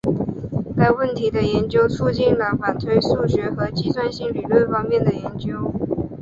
该问题的研究促进了反推数学和计算性理论方面的研究。